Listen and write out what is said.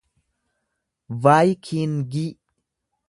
vaayikiingii